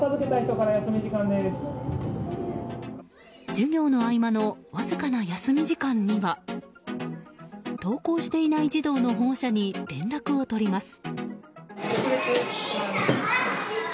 授業の合間のわずかな休み時間には登校していない児童の保護者に連絡を取ります。